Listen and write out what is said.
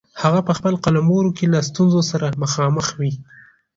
هغه په خپل قلمرو کې له ستونزو سره مخامخ وي.